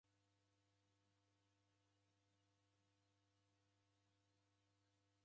Kovalwa mwaka ghwa mrongo mfungade na ikenda.